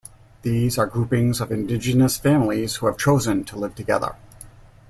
These are groupings of Indigenous families who have chosen to live together.